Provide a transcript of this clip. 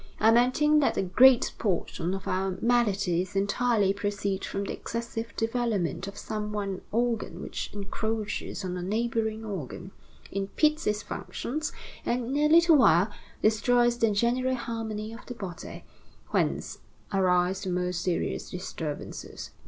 I maintain that a great portion of our maladies entirely proceed from the excessive development of some one organ which encroaches on a neighboring organ, impedes its functions, and, in a little while, destroys the general harmony of the body, whence arise the most serious disturbances.